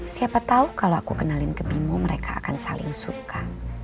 siapa tahu kalau aku kenalin ke bimo mereka akan saling suka